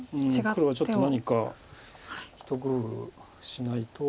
黒はちょっと何か一工夫しないと。